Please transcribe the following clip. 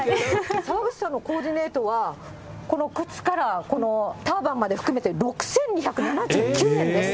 澤口さんのコーディネートは、この靴からこのターバンまで含めて６２７９円です。